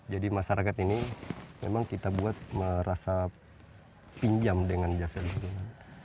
masyarakat ini memang kita buat merasa pinjam dengan jasa lingkungan